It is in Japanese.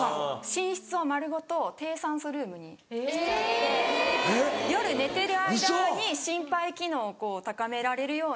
寝室を丸ごと低酸素ルームにしちゃって夜寝てる間に心肺機能を高められるように。